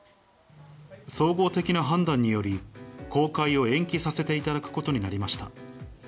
総合的な判断により、公開を延期させていただくことになりました。